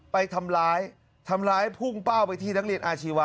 ไปทำร้ายทำร้ายพุ่งเป้าไปที่นักเรียนอาชีวะ